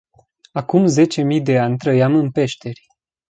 Acum zece mii de ani trăiam în peșteri.